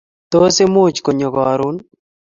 Tos imuuch konyo karoon?